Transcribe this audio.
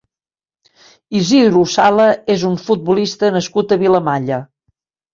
Isidro Sala és un futbolista nascut a Vilamalla.